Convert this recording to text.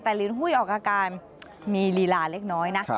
แต่ลินหุ้ยออกอาการมีลีลาเล็กน้อยนะ